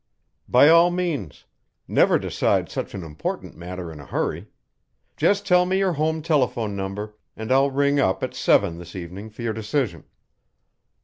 "By all means. Never decide such an important matter in a hurry. Just tell me your home telephone number, and I'll ring up at seven this evening for your decision."